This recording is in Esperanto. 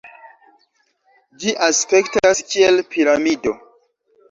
Ĝi aspektas kiel piramido.